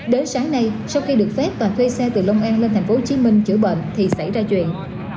đến sáng nay sau khi được phép và thuê xe từ long an lên thành phố hồ chí minh chữa bệnh thì xảy ra chuyện